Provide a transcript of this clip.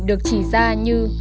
được chỉ ra như